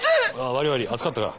悪い悪い熱かったか。